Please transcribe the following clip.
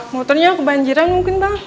motornya kebanjiran mungkin bang